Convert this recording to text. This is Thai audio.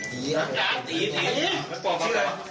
ชื่ออะไร